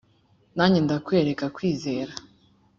nanjye ndakwereka kwizera